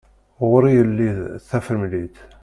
Ɣur-i yelli d tafremlit.